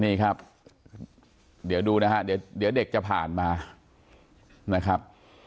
นี่ครับเดี๋ยวดูนะฮะเดี๋ยวเด็กจะผ่านมานะครับ